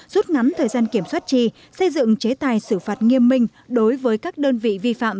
rút ngắn thời gian kiểm soát chi xây dựng chế tài xử phạt nghiêm minh đối với các đơn vị vi phạm